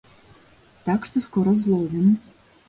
Так што скора зловім.